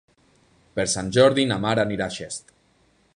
Per Sant Jordi na Mar anirà a Xest.